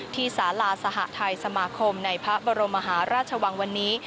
สาราสหทัยสมาคมในพระบรมมหาราชวังวันนี้